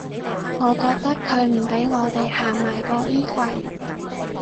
我覺得佢唔畀我地行埋個衣櫃